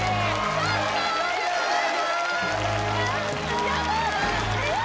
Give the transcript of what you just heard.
・ありがとうございますやった！